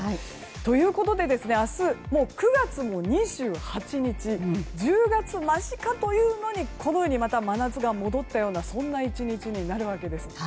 ということで、明日９月も２８日１０月間近というのにまた真夏が戻ったようなそんな１日になるわけです。